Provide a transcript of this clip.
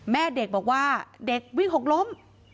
แม่เด็กบอกว่าเด็กวิ่งหกล้ม